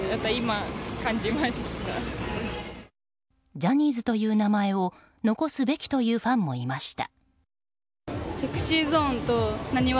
ジャニーズという名前を残すべきというファンもいました。